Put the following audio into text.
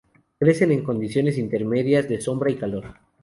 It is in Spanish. Crecen en condiciones intermedias de sombra y calor.